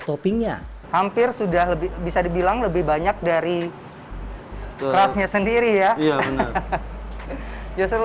toppingnya hampir sudah lebih bisa dibilang lebih banyak dari rasnya sendiri ya justru